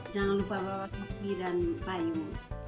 jangan lupa bawa topi dan payung